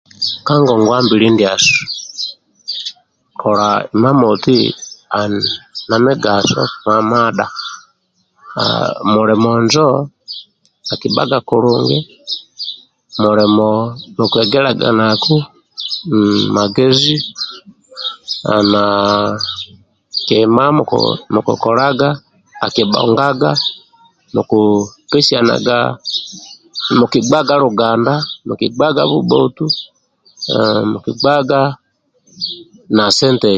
Ka ngongwambili ndyasu kola imamoti ali namigaso mamadha mulimo njo akibhaga kulungi mulimo bhukuhegelagaku magezi na kima mukukolaga aki bhongaga muku pesyana mukibgaga luganda mukibgaga bubhotu mukibgaga na sente